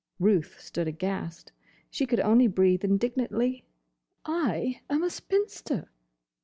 Ruth stood aghast. She could only breathe indignantly, "I am a spinster."